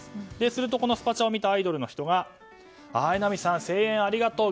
するとこのスパチャを見たアイドルの人が榎並さん、声援ありがとう！